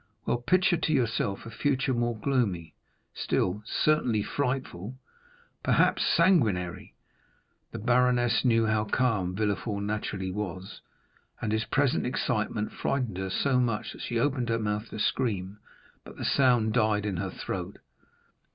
Well, picture to yourself a future more gloomy still—certainly frightful, perhaps sanguinary!" The baroness knew how calm Villefort naturally was, and his present excitement frightened her so much that she opened her mouth to scream, but the sound died in her throat.